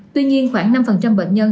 tuy nhiên khoảng năm bệnh nhân